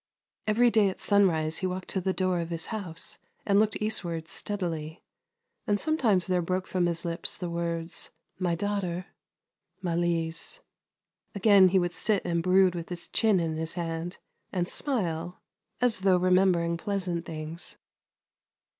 Every day at sunrise he walked to the door of his house and looked eastward steadily, and sometimes there broke from his lips the words, " My daughter — Malise !" Again, he would sit and brood with his chin in his hand, and smile, as though remembering pleasant things.